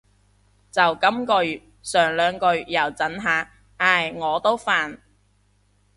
就今个月，上兩個月又准下。唉，我都煩